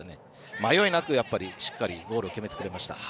迷いなくゴールを決めてくれました。